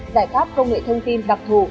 giải pháp công nghệ thông tin đặc thủ